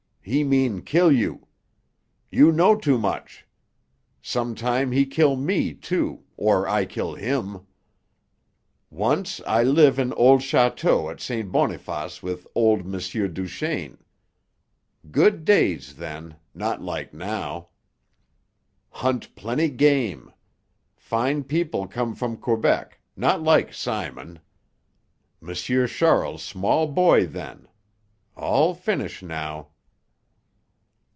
"He mean kill you. You know too much. Sometime he kill me, too, or I kill him. Once I live in old château at St. Boniface with old M'sieur Duchaine. Good days then, not like how. Hunt plenty game. Fine people come from Quebec, not like Simon. M'sieur Charles small boy then. All finish now."